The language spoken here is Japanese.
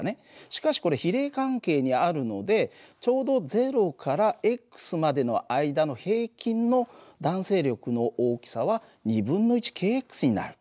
しかしこれ比例関係にあるのでちょうど０からまでの間の平均の弾性力の大きさはｋになる。